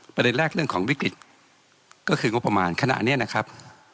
ประเด็นแรกเรื่องของวิกฤตก็คืองบประมาณขณะนี้นะครับ